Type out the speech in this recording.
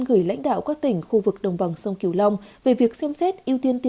gửi lãnh đạo các tỉnh khu vực đồng bằng sông kiều long về việc xem xét